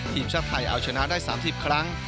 ทีมชาติไทยเอาชนะได้๓๐ครั้ง